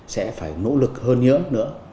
sẽ phải nỗ lực hơn nhớ nữa